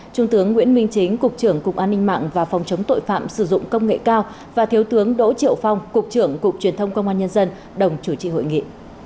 trung tướng nguyễn minh chính cục trưởng cục an ninh mạng và phòng chống tội phạm sử dụng công nghệ cao và thiếu tướng đỗ triệu phong cục trưởng cục truyền thông công an nhân dân đồng chủ trì hội nghị